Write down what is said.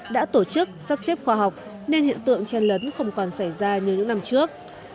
đã tổ chức sắp xếp khoa học nên hiện tượng chen lấn không còn xảy ra như những năm trước